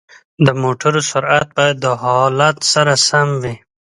د موټرو سرعت باید د حالت سره سم وي.